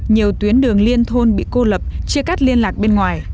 nhiều tuyến đường liên thôn bị cô lập chia cắt liên lạc bên ngoài